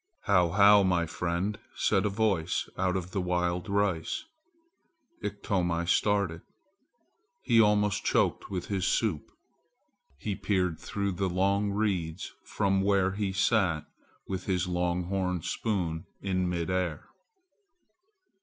"How, how, my friend!" said a voice out of the wild rice. Iktomi started. He almost choked with his soup. He peered through the long reeds from where he sat with his long horn spoon in mid air.